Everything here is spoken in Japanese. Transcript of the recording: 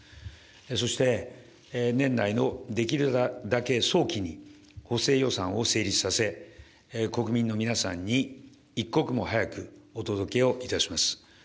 そして年内のできるだけ早期に補正予算を成立させ、国民の皆さんに一刻も早くお届をいたします。